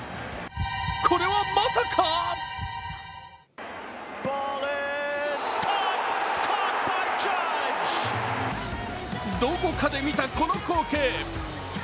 これはまさかどこかで見たこの光景。